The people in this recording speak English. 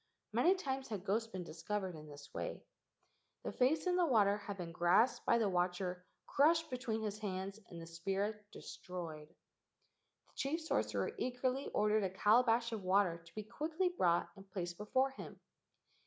Many times had ghosts been discovered in this way. The face in the water had been grasped by the watcher, crushed between his hands, and the spirit destroyed. The chief sorcerer eagerly ordered a calabash of water to be quickly brought and placed before him.